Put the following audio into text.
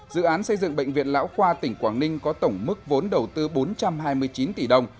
dự án xây dựng bệnh viện lão khoa tỉnh quảng ninh có tổng mức vốn đầu tư bốn trăm hai mươi chín tỷ đồng